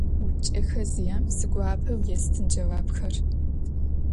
Упчӏэхэ зиӏэм сигуапэу естын джэуапхэр.